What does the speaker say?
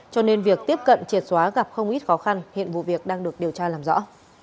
cho nên việc tiếp cận triệt xóa gặp không ít khó khăn hiện vụ việc đang được điều tra làm rõ